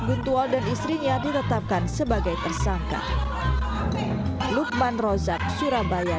guntual dan istrinya ditetapkan sebagai tersangka lukman rozak surabaya